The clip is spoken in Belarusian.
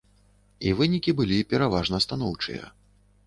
І вынікі былі пераважна станоўчыя.